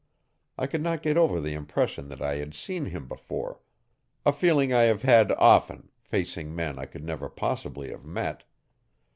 I could not get over the impression that I had seen him before a feeling I have had often, facing men I could never possibly have met.